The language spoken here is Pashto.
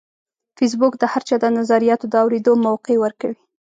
فېسبوک د هر چا د نظریاتو د اورېدو موقع ورکوي